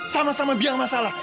sama sama biang masalah